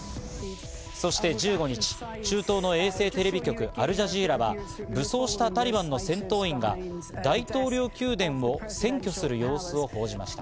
そして１５日、中東の衛星テレビ局、アルジャジーラは武装したタリバンの戦闘員が大統領宮殿を占拠する様子を報じました。